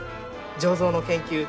醸造の研究